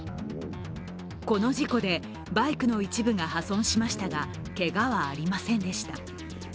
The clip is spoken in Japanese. この事故でバイクの一部が破損しましたがけがはありませんでした。